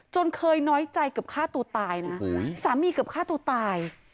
เคยน้อยใจเกือบฆ่าตัวตายนะสามีเกือบฆ่าตัวตาย